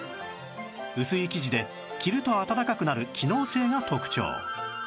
薄い生地で着ると温かくなる機能性が特徴